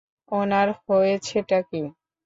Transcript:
উনার হয়েছেটা কী?